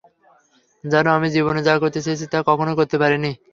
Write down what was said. জানো, আমি জীবনে যা করতে চেয়েছি তা কখনই করতে পারিনি।